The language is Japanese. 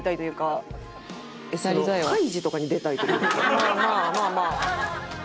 まあまあまあまあ。